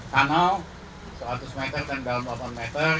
kanal seratus meter dan dalam delapan meter